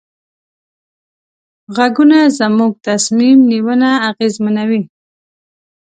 غږونه زموږ تصمیم نیونه اغېزمنوي.